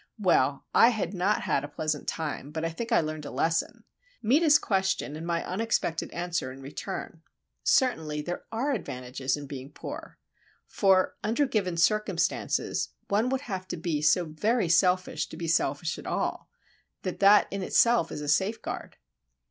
Well, I had not had a pleasant time, but I think I learned a lesson. Meta's question and my unexpected answer in return. Certainly, there are advantages in being poor;—for, under given circumstances, one would have to be so very selfish to be selfish at all, that that in itself is a safeguard.